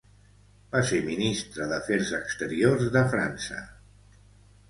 Va ser ministra d'Afers exteriors de França.